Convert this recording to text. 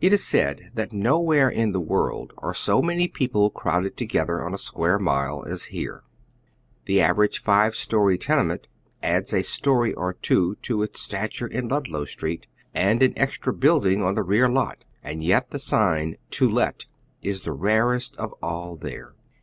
It is said that nowhere in the world are so many peo ple crowded together on a square mile as here. The av erage five story tenement adds a story or two to its stature in Lndlow Street and an extra building on the rear lot, and yet the sign " To Let " is the rarest of all there.